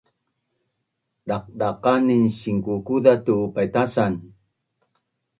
Daqdaqanin sinkukuza tu’ paitasan